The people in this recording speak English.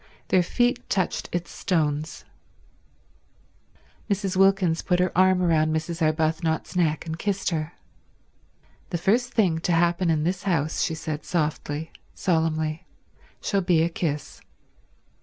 Their feet touched its stones. Mrs. Wilkins put her arm round Mrs. Arbuthnot's neck and kissed her. "The first thing to happen in this house," she said softly, solemnly, "shall be a kiss."